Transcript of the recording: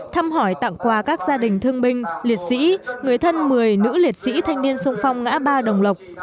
thăm hỏi tặng quà các gia đình thương binh liệt sĩ người thân một mươi nữ liệt sĩ thanh niên sung phong ngã ba đồng lộc